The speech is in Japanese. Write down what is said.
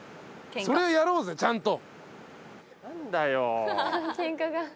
それやろうぜちゃんと。